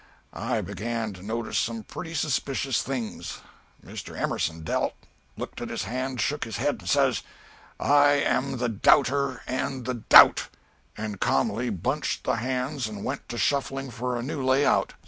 I began to notice some pretty suspicious things. Mr. Emerson dealt, looked at his hand, shook his head, says "'I am the doubter and the doubt ' and ca'mly bunched the hands and went to shuffling for a new layout.